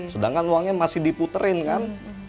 sedangkan uangnya masih diputerin kan